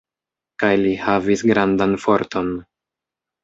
Kaj li havis grandan forton.